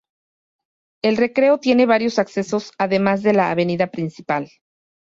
El recreo tiene varios accesos además de la avenida principal.